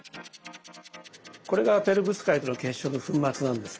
これがペロブスカイトの結晶の粉末なんですね。